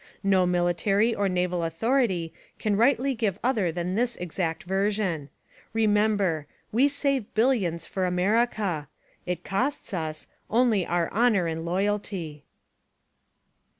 No military or naval authority can rightly give other than this exact version. Remember : We save billions for America : It costs us : Only our honor and loyalty.